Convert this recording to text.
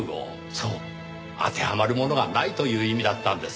そう当てはまるものがないという意味だったんです。